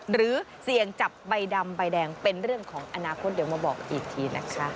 หรือเสี่ยงจับใบดำใบแดงเป็นเรื่องของอนาคตเดี๋ยวมาบอกอีกทีนะคะ